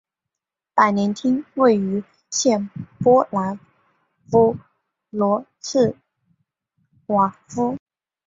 百年厅位于现波兰弗罗茨瓦夫。